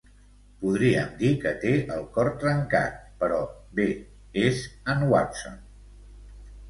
Podríem dir que té el cor trencat, però, bé, és en Watson.